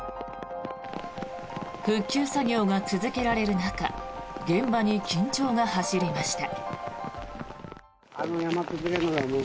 復旧作業が続けられる中現場に緊張が走りました。